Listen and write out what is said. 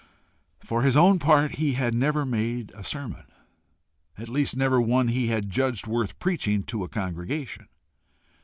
For his own part he had never made a sermon, at least never one he had judged worth preaching to a congregation.